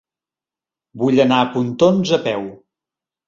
Vull anar a Pontons a peu.